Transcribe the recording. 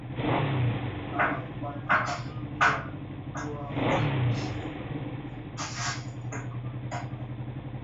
Ambapo kwa miaka mingi wamekuwa wakiishi na kuuzunguka mlima huu